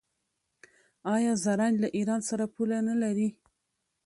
آیا زرنج له ایران سره پوله نلري؟